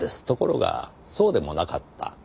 ところがそうでもなかった。